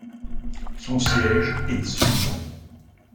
Son siège est Sullivan.